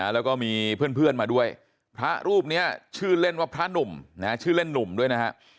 แล้วก็มีเพื่อนมาด้วยพระรูปนี้ชื่อเล่นว่าพระหนุ่มชื่อเล่นหนุ่มด้วยนะฮะ